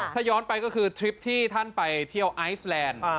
ถ้าย้อนไปก็คือทริปที่ท่านไปเที่ยวไอซแลนด์